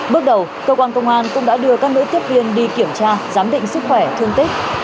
bước đầu cơ quan công an cũng đã đưa các nữ tiếp viên đi kiểm tra giám định sức khỏe thương tích